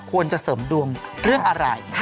ควรจะเสริมดวงเรื่องอะไร